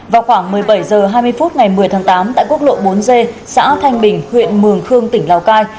vào khoảng một mươi bảy h hai mươi phút ngày một mươi tháng tám tại quốc lộ bốn g xã thanh bình huyện mường khương tỉnh lào cai